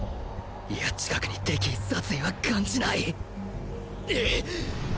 いや近くに敵意殺意は感じない